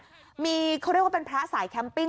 เขาเรียกว่าเป็นพระสายแคมปิ้